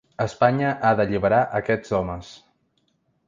Espanya ha d’alliberar aquests homes.